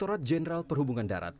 aturan perhubungan darat